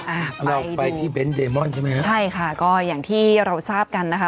อ่าเราไปที่เบนท์เดมอนใช่ไหมฮะใช่ค่ะก็อย่างที่เราทราบกันนะคะ